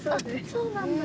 そうなんだ。